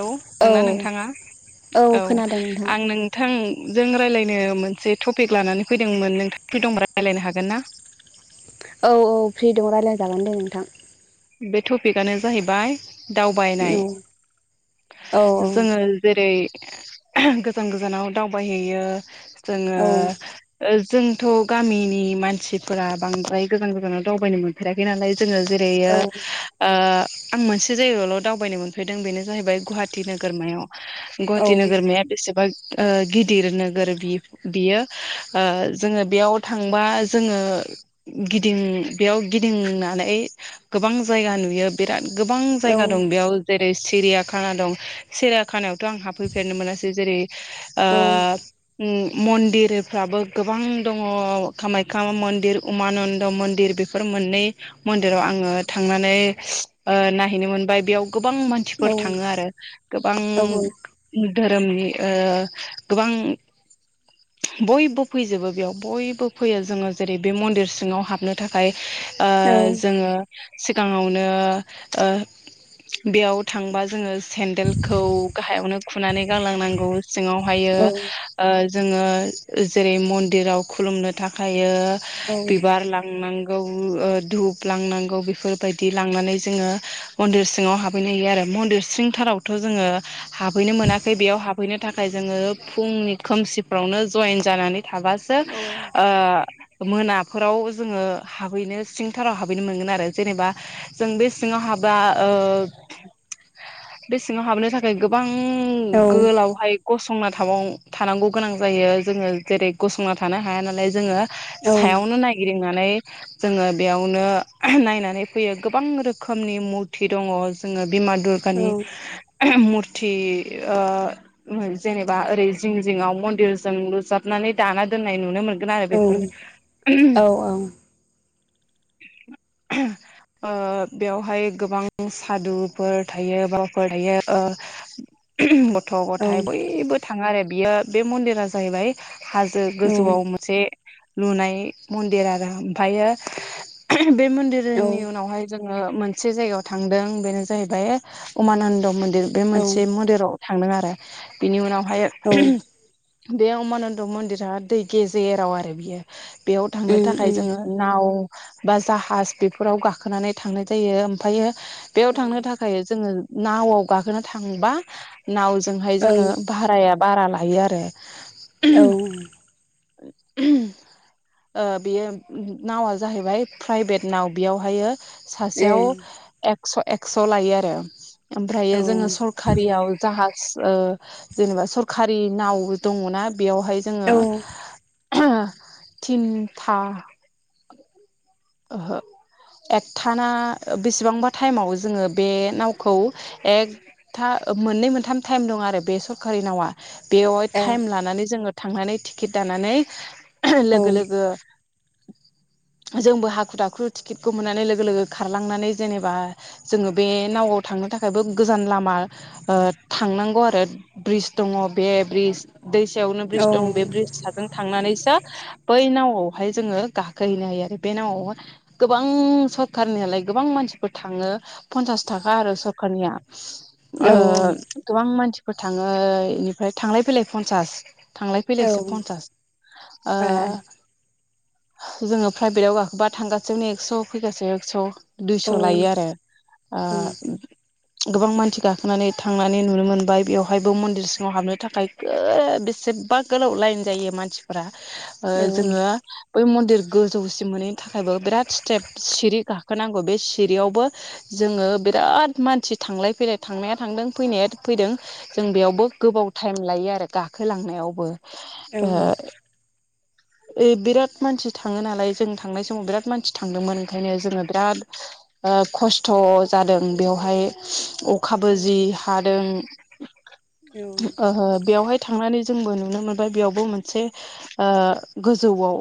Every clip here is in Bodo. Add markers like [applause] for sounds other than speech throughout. औ दोंना नोंथाङा औ खोनादों नोंथां आं नोंथां जों रायज्लायनो मोनसे टपिक लानानै फैदोंमोन नोंथांङा फ्रि दंबा राय्लायनो हागोन ना? औ औ फ्रि दं रायज्लाय जागोन दे नोंथां। बे टपिकआनो जाहैबाय दावबायनाय औ जोङो जेरै गोजान गोजानाव दावबायहैयो जोङो औ ओ जोंथ' गामिनि मानसिफोरा बांद्राय गोजान गोजानाव दावबायनो मोनफेराखै नालाय जोङो जेरै औ ओ आं मोनसे जायगायावल' दावबायनो मोनफैदों बेनो जाहैबाय गुवाहाटि नोगोरमायाव। औ गुवाहाटी नोगोरमाया बेसेबा ओ गिदिर नोगोर बियो जोङो बेयाव थांबा जोङो गिदिं बेयाव गिदिंनानै गोबां जायगा नुयो बिराद गोबां औ जायगा दं बेयाव जे रै सिरियाखाना दं सिरिया खानायावथ' आं हाबफैफेरनो मोनासै जेरै ओ औ उ मन्दिरफ्राबो गोबां दङ कामाय्खा मन्दिर उमानन्द मन्दिर बेफोर मोननै मन्दिराव आङो थांनानै ओ नायहैनो मोनबाय बेयाव गोबां मानसिफोर थाङो औ आरो गोबां औ धोरोमनि ओ गोबां बयबो फैजोबो बेयाव बयबो फैयो जोङो जेरै बे मन्दिर सिङाव हाबनो थाखाय ओ जोङो सिगाङावनो ओ बेयाव थांबा जोङो सेन्देलखौ गाहायावनो खुनानै गलांनांगौ। सिङावहायो औ ओ जोङो जेरै मन्दिराव खुलुमनो थाखायो बिबार लांनांगौ ओ धुप लांनां गौ बेफोरबायदि लांनानै जोङो मन्दिर सिङाव हाबहैनो हायो आरो मन्दिर सिं थारावथ' जोङो हाबहैनो मोनाखै बेयाव हाबहैनो थाखाय जोङो फुंनि खोमसिफ्रावनो जयेन जानानै थाबासो ओ मोनाफोराव जोङो हाबहैनो सिंथाराव हाबैनो मोनगोन जेनेबा जों बे सिङाव हाबा ओ बेेसिङाव हाबनो थाखाय गोबां गोलावहाय गसंना थाबाव थानांगौ गोनां जायो जोङो जेरै गसंना थानो हाया नालाय जोङो सायावनो नायगिदिंनानै जोङो बेयावनो नायनानै फैयो गोबां रोखोमनि मुरथि दङ जोङो बिमा औ दुरगानि मुर थि ओ जेनेबा ओरै जिं जिङआव मन्दिरजों लुजाबनानै दाना दोननाय नुनो मोनगोन आरो उम बेफोर औ औ ए [inaudible] ओ बेवहाय गोबां सादुफोर थायो बावफोर थायो ओ बथ गथ' गथाइ बयबो थाङो आरो बियो बे मन्दिरा जाहैबाय हाजो गोजौआव मोनसे लुनाय मन्दिर आरो ओमफायो बे मन्दिरनि उनावहाय जों ङो मोनसे जायगायाव थांदों बेनो जाहैबाय उमानन्द मन्दिर बे औ मोनसे मन्दिराव थांदों आरो बेनि उनावहाय औ बे उमानन्द मन्दिरा दै गेजेराव आरो बियो बेयाव थांनो थाखाय जोङो नाव बा जाहाज बेफोराव गाखोनानै थांनाय जायो ओमफायो बेयाव थांनो थाखाय जोङो नावआव गाखोनो थांबा नावजोंहाय जोङो भारायाब बारा लायो आरो। औ [inaudible] ओ बेयो नावा जाहैबाय प्राइभेट नाव बेयावहायो सासेयाव एकस' एक्स' लायो आरो। ओमफ्रायो जोङो सरखारियाव जाहाज ओ जेनेबा सरखारि नाव दङना बेयावहाय जोङो थिनथा ओहो एकथा ना बेसेबांबा टाइमाव जोङो बे नावखौ एकथा ओ मोननै मोनथाम टाइम दं आरो बे सरखारि नावा बेवहाय टाइम लानानै जोङो थांनानै टिकेट दानानै लोगो लोगो जोंबो हाखु दाखु टिकेटखौ मोननानै लोगो लोगो खारलांनानै जेनेबा जोङो बे नावआव थांनो थाखायबो गोजान लामा ओ थांनांगौ आरो ब्रिज दङ बे ब्रिज दैसायावनो ब्रिज दं बे ब्रिजा साजों थांनानैसो बै नावआवहाय जोङो गाखोहैनो हायो आरो बे नावहाय गोबां सरखारनियालाय गोबां मानसिफोर थाङो पन्सास थाखा आरो सरखारनिया ओ गोबां मानसिफोर थाङो इनिफ्राय थांलाय फैलाय पन्सास थांलाय फैलायसो फन्सास ओ आ जोङो प्राइभेटआव गाखोबा थांगासिनोयावनो एकस' फैगासेयाव एक्स' दुइस' लायो आरो ओ गोबां मानसि गाखोनानै थांनानै नुनो मोनबाय बेवहायबो मन्दिर सिङाव हाबनो थाखाय ओ बेसे बा गोलाव लाइन जायो मानसिफोरा ओ औ औ जोङो बै मन्दिर गोजौसिन मोनहैनो थाखायबो बिराद स्टेप सिरि गाखोनांगौ बे सिरियावबो जोङो बिराद मानसि थांलाय फैलाय थांनाया थांदों फैनाया फैदों जों औ बेयावबो गोबाव टाइम लायो आरो गाखोलांनायावबो ओ ओ बिराद मानसि थाङो नालाय जों थांनाय समाव बिराद मानसि थांदोंमोन ओंखायनो जोङो बिराद ओ खस्थ' जादों बेवहाय अखाबो जि हादों ओ बेवहाय थांनानै जोंबो नुनो मोनबाय बेयावबो मोनसे ओ गोजौआव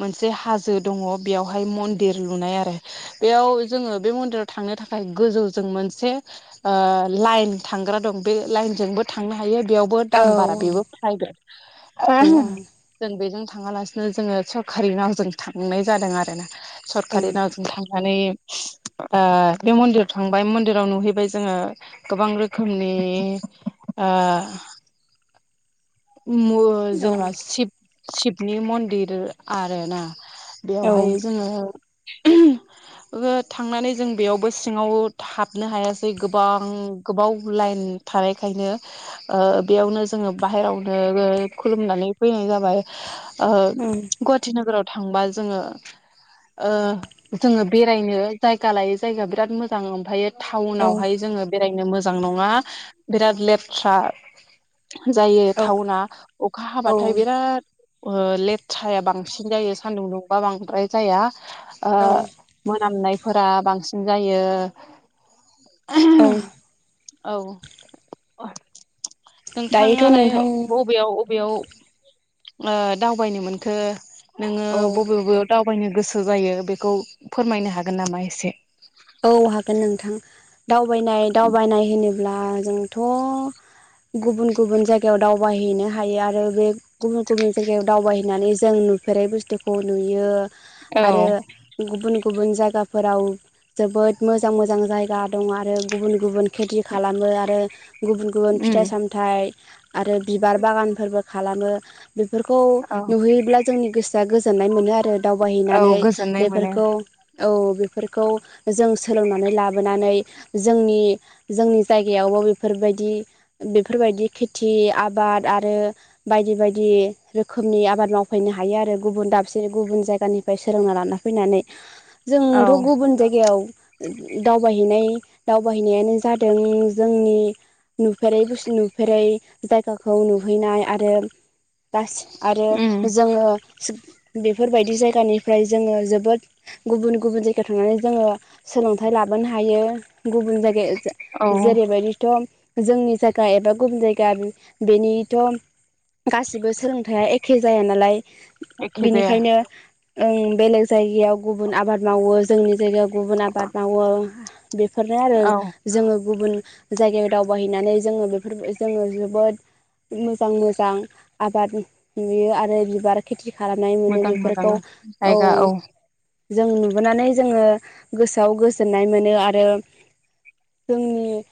मोनसे हाजो दङ बेयावहाय मन्दिर लुनाय आरो बेयाव जोङो बे मन्दिराव थांनो थाखाय गोजौ जों मोनसे ओ लाइन थांग्रा दं बे लाइनजों जोंबो थांनो हायो बियावबो दाम बारा बिबो प्राइभेट जों बेजों थांनो थाङालासिनो जोङो सरकारि नावजों थांनाय जादों आरो ना सरकारि नावजों थां नानै ओ बे मन्दिराव थांबाय मन्दिराव नुहैबाय जोङो गोबां रोखोमनि ए ओ मु जेनेबा शिब शिबनि मन्दिर आरो ना बेवहाय जोङो ओ थांनानै जों बेयावबो सिङाव हाबनो हायासै गोबां गोबाव लाइन थानायखायनो ओ बेयावनो जोङो बाहेरायाव ओ ओ खुलुमनानै फैनाय जाबाय गुवाटि नोगोराव थांबा जोङो ओ जोङो बेरायनो जायगा लायो जायगाया बिराद मोजां ओमफायो टाउनावहाय जोङो बेरायनो मोजां नङा बिराद लेथ्रा जायो टाउना अखा औ हाबाथाय बिराद ओ लेथ्राया बांसिन जायो सानदुं दुंबा बांद्राय जाया। ओ औ मोनामनायफोरा बांसिन जायो औ औ दायोथ' नोंथाङालाय नोंथां बबेयाव बबेयाव ओ दावबायनो मोनखो नोङो औ बबे बबेयाव दावबायनो गोसो जायो बेखौ फोरमायनो हागोन नामा एसे? औ हागोन नोंथां दावबायनाय दावबायनाय होनोब्ला जोंथ' गुबुन गुबुन जायगायाव दाव दावबायहैनो हायो आरो बे गुबुन गुबुन जायगायाव दावबायहैनानै जों नुफेरै बुस्थुखौ नुयो औ आरो गुबुन गुबुन जायगाफोराव जोबोद मोजां मोजां जायगा दं आरो गुबुन गुबुन खेथि खालामो आरो गुबुन गुबुन उम फिथाइ सामथाइ आरो बिबार बागानफोरबो खालामो बेफोरखौ औ नुहैयोब्ला जोंनि गोसोआ गोजोननाय मोनो आरो औ दावबायहैनानै गोजोननाय मोनो बेफोरखौ औ बेफोरखौ जों सोलोंनानै लाबोनानै जोंनि जोंनि जायगायावबो बेफोरबायदि बेफोरबायदि खेथि आबाद आरो बायदि बायदि रोखोमनि आबाद मावफैनो हायो आरो गुब दाबसे गुब जायगानिफाय सोलोंना लाना फैनानै जों औ थ' गुबुन जाय गायाव दावबायहैनाय दावबायहैनायानो जादों जोंनि नुफेरै बुस नुफेरै जायगाखौ नुहैनाय आरो गास आरो उम जोङो बेफोरबायदि जायगानिफ्राय जोङो जोबोद गुबुन गुबुन जायगायाव थांनानै जोङो सोलोंथाइ लाबोनो हायो। गुबुन जायगाया जा औ जेरैबायदिथ' जोंनि जायगा एबा गुबुन जायगा बे बेनिथ' गासिबो सोलोंथाया ए खे जाया नालाय एखे जाया बिनिखायनो ओं बेलेग जायगायाव गुबुन आबाद मावो जोंनि जायगायाव गुबुन आबाद मावो बेफोरनो आरो औ जोङो गुबुन जायगायाव दावबायहैनानै जोङो बेफोर जोङो जोबोद मोजां मोजां आबाद नुयो आरो बिबार खेथि खालामनाय मोनो मोजां मोजां बेफोरखौ औ जों नुबोनानै जोङो गोसोआव गोजोननाय मोनो आरो दोंनि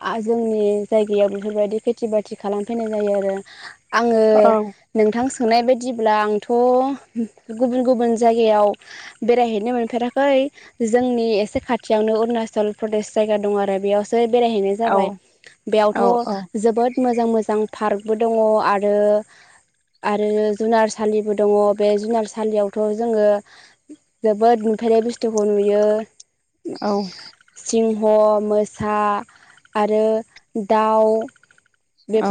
आ जोंनि जायगायाव बेफोरबायदि खेथि बाथि खालामफैनाय जायो आरो आङो औ नोंथांस नाय बायदिब्ला आंथ' गुबुन गुबुन जायगायाव बेरायहैनो मोनफेराखै जोंनि एसे खाथियावनो अरुणाचल प्रदेश जायगा दं आरो बेयावस बेरायहैनाय औ जाबाय बेयावथ' औ जोबोद मोजां मोजां पार्क बो दङ' आरो आरो जुनारसालिबो दङ बे जुनारसालियावथ' जोङो जोबोद फेरै बुस्थुखौ नुयो औ इंह' मोसा आरो दाउ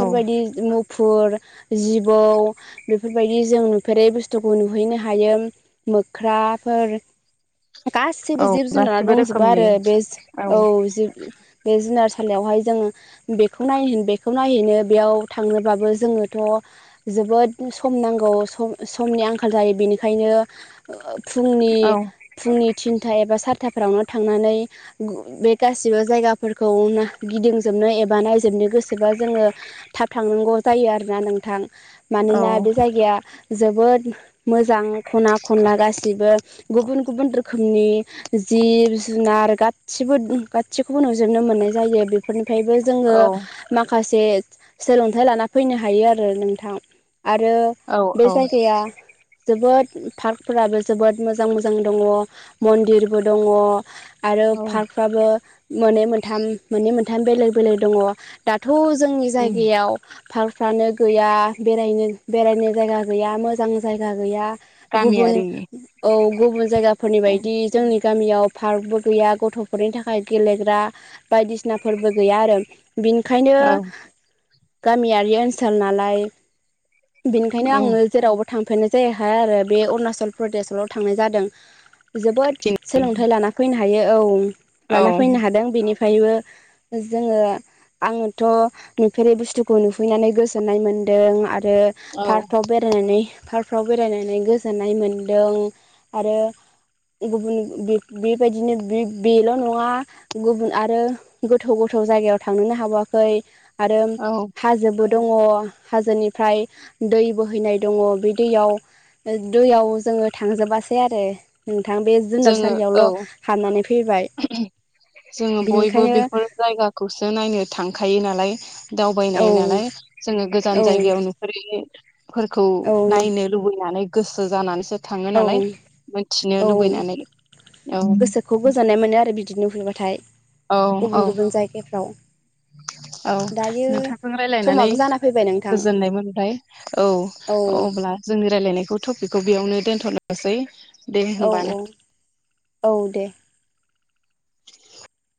औ न' फुर जिबौ बेफोरबायदि जों नुफेरै बुस्थुखौ नुहैनो हायो मोख्राफोर [inaudible] गासिबो औ जिब जुनारा गासिबो दंजोबो रोखोमनि आरो बेज औ जिब बे जुनार लायावहाय जोङो बेखौ नायन बेखौ नायहैनो बेयाव थांनोबाबो जोङोथ' जो बोद सम नांगौ सम स'मनि आंखाल जायो बेनिखायनो ओ औ फुंनि फुंनि थिनथा एबा साद थाफ्रावनो थांनानै गु बे गासिबो जायगाफोरखौ नो गिदिंजोबनो एबा नायजोबनो गोसो बा जोङो थाब थांनांगौ जायो आरोना नोंथां मानोना औ बे जायगाया जोबोद मोजां खना खनला गासिबो गुबुन खोमनि जिब जुनार गादसिबो गादसिखौबो नुजोबनो मोननाय जायो बे फोरनिफायबो जोङो औ माखासे सोलोंथाइ लाना फैनो हायो आरो नोंथां आरो औ बे औ जायगाया जोबोद पार्कफोराबो जोबोद मोजां मोजां जां दङ मन्दिरबो दङ' आरो औ पार्कफ्राबो मोननै मोनथाम मोननै मोनथाम बेलेग बेलेग दङ' दाथ' थ' जोंनि उम जायगायाव पार्कफ्रानो गैया बेरायनो बेरायनो जायगा गैया मोजां जायगा गैया गुबुन गामियारि औ गुबुन जायगाफोरनि औ बायदि जोंनि गामियाव पार्कबो गैया गथ'फोरनि थाखाय गेलेग्रा बायदिसिना फोरबो गैया आरो बिनिखायनो औ गामियारि ओनसोल नालाय बेनिखायनो औ आङो जेरावबो थांफेरनाय जायाहाय आरो बे उणाचल प्रदेशआवल' थांनाय जादों जोबोद सोलोंथाइ लाना फैनो हायो औ औ लाना फैनो हादों बेनि फायबो जोङो आङोथ' नुफेरै बुस्थुखौ नुफैनानै गोजोननाय मोनो दों आरो औ पार्काव बेरायनानै पार्काफ्राव बेरायनानै गोजोननाय मोनदों आरो गुबुन बेबायदिनो बे बेल' नङा गुबुन आरो गोथौ गोथौ गोजौ जायगायाव थांनोनो हाबावाखै आरो औ हाजोबो दङ हाजोनिफ्राय दै बोहैनाय दङ बे दैयाव दैयाव जोङो थांजोबासै आरो नोंथां बे जोङो औ जुनारसालियावल' हाबानानै फैबाय जोङो बयबो बिनिखायनो बेफोर जायगाखौसो नायनो थांखायो नालाय औ दावबायनाय नालाय जोङो औ गोजान जायगायाव नुहरहैयि फोरखौ औ नायनो लुबैनानै गोसो जानानैसो थाङो नालाय मोनथिनो लुबै ओम गोसोखौ गोजोननाय मोनो आरो बिदिनो नुफेरबाथाय औ औ गुबुन गुबुन जायगाफ्राव औ दायो नोंथांजों रायलायनानै समाबो जाना फैबाय नोंथां गोजोननायमोनबाय औ औ अब्ला जोंनि रायलायनायखौ टपिकखौ बेयावनो दोनथ'नोसै दे औ होमबा औ ने औ दे